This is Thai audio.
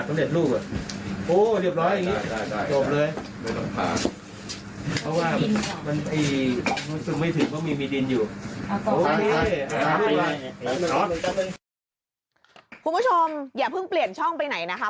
คุณผู้ชมอย่าเพิ่งเปลี่ยนช่องไปไหนนะคะ